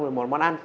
rồi món ăn